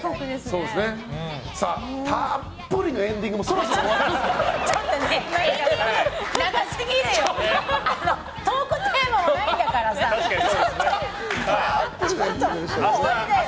たっぷりのエンディングもそろそろ終わりですね。